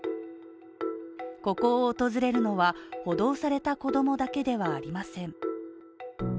ここを訪れるのは補導された子供だけではありません。